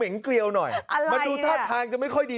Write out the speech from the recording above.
น้ำแข็งอ่านไปดูทัดทางจะไม่ค่อยดี